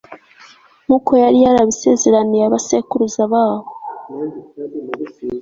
nk'uko yari yarabisezeraniye abasekuruza babo